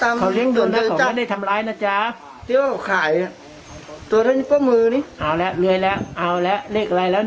ในคลิปปรากฏผมเตือนมาก็ไม่เคยเจอ